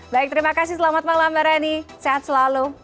baik terima kasih selamat malam mbak rani sehat selalu